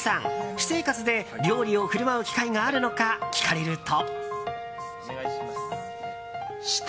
私生活で料理を振る舞う機会があるのか聞かれると。